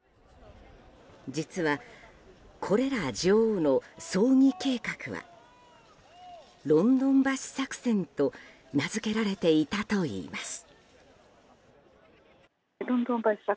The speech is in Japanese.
実は、これら女王の葬儀計画はロンドン橋作戦と名づけられていたといいます。